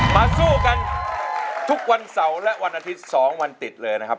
สู้กันทุกวันเสาร์และวันอาทิตย์๒วันติดเลยนะครับ